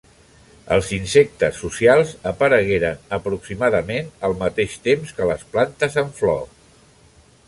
Els insectes socials aparegueren aproximadament al mateix temps que les plantes amb flor.